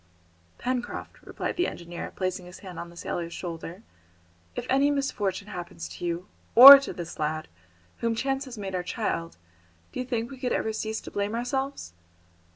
"Pencroft," replied the engineer, placing his hand on the sailor's shoulder, "if any misfortune happens to you, or to this lad, whom chance has made our child, do you think we could ever cease to blame ourselves?"